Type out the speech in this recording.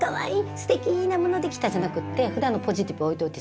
すてきなもの出来たじゃなくて、ふだんのポジティブを置いといて、